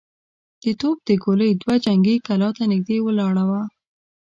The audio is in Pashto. د توپ د ګولۍ دوړه جنګي کلا ته نږدې ولاړه وه.